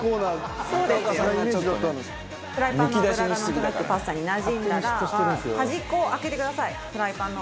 フライパンの油がなんとなくパスタになじんだら端っこを空けてくださいフライパンの。